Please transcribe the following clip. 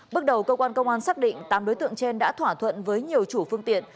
bước đầu cơ quan công an xác định tám đối tượng trên đã thỏa thuận với nhiều chủ phương tiện